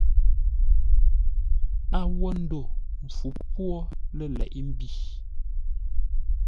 A wo ndo mpfu pwô lə̂ leʼé-mbi.